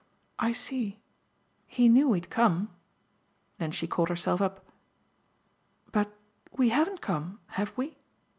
'" "I see he knew we'd come." Then she caught herself up. "But we haven't come, have we?"